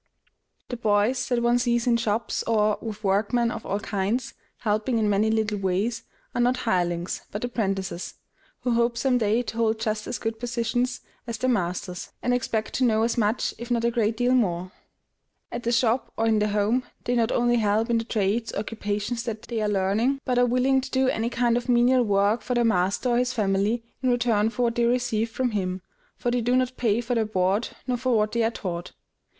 The boys that one sees in shops, or, with workmen of all kinds, helping in many little ways, are not hirelings, but apprentices, who hope some day to hold just as good positions as their masters, and expect to know as much, if not a great deal more. At the shop or in the home, they not only help in the trades or occupations they are learning, but are willing to do any kind of menial work for their master or his family in return for what they receive from him; for they do not pay for their board nor for what they are taught.